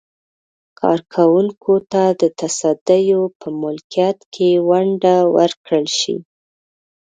کارکوونکو ته د تصدیو په ملکیت کې ونډه ورکړل شي.